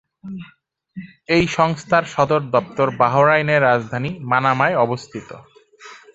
এই সংস্থার সদর দপ্তর বাহরাইনের রাজধানী মানামায় অবস্থিত।